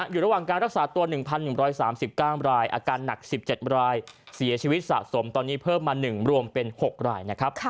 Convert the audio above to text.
อยู่ระหว่างการรักษาตัว๑๑๓๙รายอาการหนัก๑๗รายเสียชีวิตสะสมตอนนี้เพิ่มมา๑รวมเป็น๖รายนะครับ